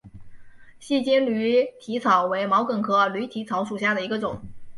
细茎驴蹄草为毛茛科驴蹄草属下的一个种。